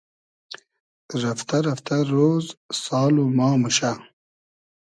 رئفتۂ رئفتۂ رۉز سال و ما موشۂ